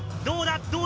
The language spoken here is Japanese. どうだ？